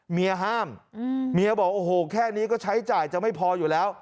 เมียห้ามเมียบอกโอ้โหแค่นี้ก็ใช้จ่ายจะไม่พออยู่แล้ว